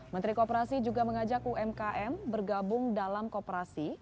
menteri kooperasi juga mengajak umkm bergabung dalam kooperasi